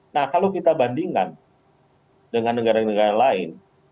nah kalau kita bandingkan dengan negara negara lain